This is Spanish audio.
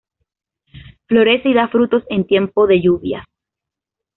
Florece y da frutos en tiempo de lluvias.